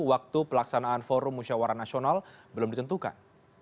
waktu pelaksanaan forum musyawara nasional belum ditentukan